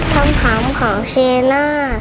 คำถามของเชน่า